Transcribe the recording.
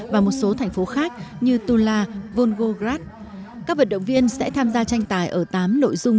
và một số thành phố khác như tula volgograd các vận động viên sẽ tham gia tranh tài ở tám nội dung